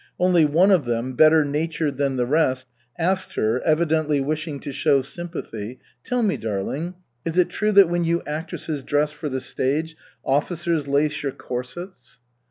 Only one of them, better natured than the rest, asked her, evidently wishing to show sympathy: "Tell me, darling, is it true that when you actresses dress for the stage, officers lace your corsets?"